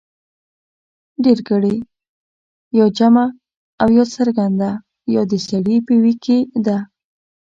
ډېرگړې يا جمع او څرگنده يا د سړي په ویي کې ده